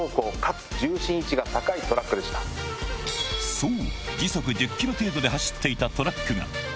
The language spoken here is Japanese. そう！